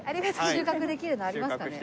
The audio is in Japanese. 収穫できるのありますかね？